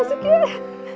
masuk ya masuk ya